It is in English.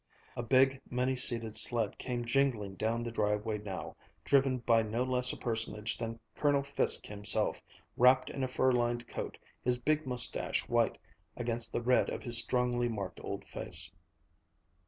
A big, many seated sled came jingling down the driveway now, driven by no less a personage than Colonel Fiske himself, wrapped in a fur lined coat, his big mustache white against the red of his strongly marked old face.